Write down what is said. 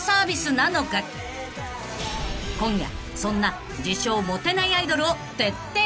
［今夜そんな自称モテないアイドルを徹底取材］